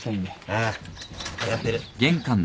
ああ分かってる。